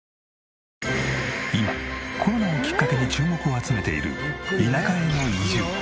今コロナをきっかけに注目を集めている田舎への移住。